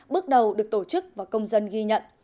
bước đầu được tổ chức và công dân ghi nhận